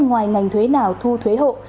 ngoài ngành thuế nào thu thuế hộ